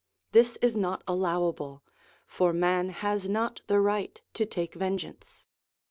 This is not allowable; for man has not the right to take vengeance.